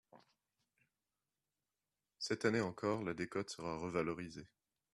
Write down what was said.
Cette année encore, la décote sera revalorisée.